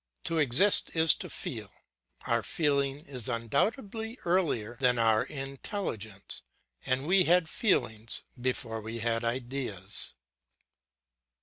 To exist is to feel; our feeling is undoubtedly earlier than our intelligence, and we had feelings before we had ideas.